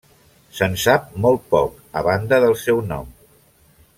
Se'n sap molt poc, a banda del seu nom.